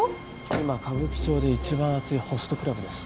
今歌舞伎町で一番熱いホストクラブです。